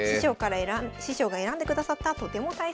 師匠が選んでくださったとても大切な時計です。